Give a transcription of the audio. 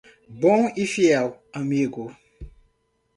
Bom e fiel amigo!